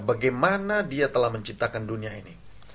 bagaimana dia telah menciptakan dunia ini